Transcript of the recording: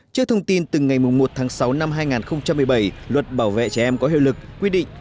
trước thông tin từ ngày một tháng sáu năm hai nghìn một mươi bảy luật bảo vệ trẻ em có hiệu lực quy định